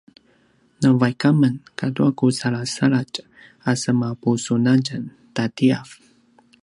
navaik amen katua ku salasaladj a semapusunatjan tatiav